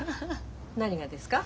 何がですか？